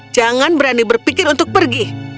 jangan berani berpikir untuk pergi